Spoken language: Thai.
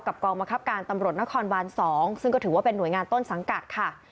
กองบังคับการตำรวจนครบาน๒ซึ่งก็ถือว่าเป็นหน่วยงานต้นสังกัดค่ะ